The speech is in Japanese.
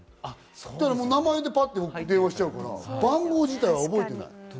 名前でパッと電話しちゃうから番号自体は覚えてない。